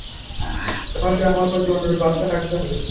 তোমাকেও আমার প্রতি অনুরূপ আস্থা রাখতে হবে!